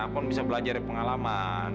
akun bisa belajar dari pengalaman